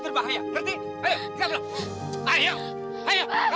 itu gak salah apa apa pak